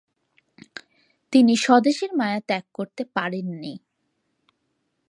তিনি স্বদেশের মায়া ত্যাগ করতে পারেননি।